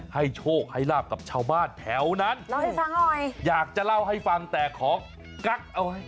ให้โชคให้ลาบกับชาวบ้านแถวนั้นอยากจะเล่าให้ฟังแต่ของกั๊กเอาไว้